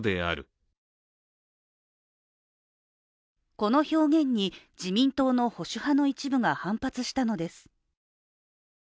この表現に自民党の保守派の一部が反発したのです。